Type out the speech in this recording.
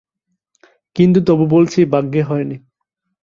কিন্তু তবু বলছি ভাগ্যে হয় নি।